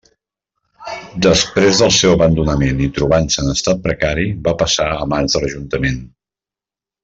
Després del seu abandonament i trobant-se en estat precari, va passar a mans de l'ajuntament.